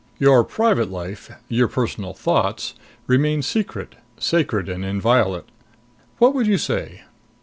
Your private life, your personal thoughts, remain secret, sacred and inviolate. What would you say?"